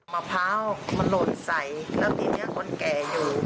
มะพร้าวมันหล่นใส่แล้วทีนี้คนแก่อยู่